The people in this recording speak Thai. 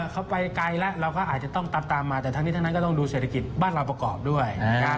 เขาไปไกลแล้วเราก็อาจจะต้องตามมาแต่ทั้งนี้ทั้งนั้นก็ต้องดูเศรษฐกิจบ้านเราประกอบด้วย